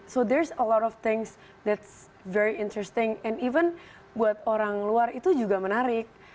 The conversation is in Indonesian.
jadi ada banyak hal yang sangat menarik dan bahkan buat orang luar itu juga menarik